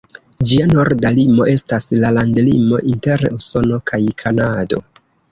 Ĝia norda limo estas la landlimo inter Usono kaj Kanado.